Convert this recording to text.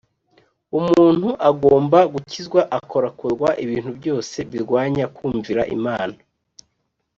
umuntu agomba gukizwa akarokorwa ibintu byose birwanya kumvira imana